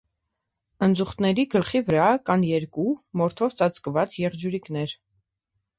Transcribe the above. Ընձուղտների գլխի վրա կան երկու մորթով ծածկված եղջյուրիկներ։